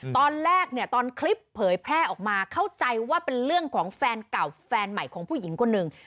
ตอนแรกเนี่ยตอนคลิปเผยแพร่ออกมาเข้าใจว่าเป็นเรื่องของแฟนเก่าแฟนใหม่ของผู้หญิงคนหนึ่ง